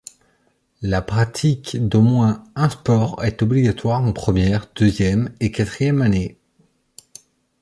La pratique d'au moins un sport est obligatoire en première, deuxième et quatrième année.